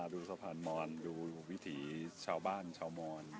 ดูสะพานมอนดูวิถีชาวบ้านชาวมอน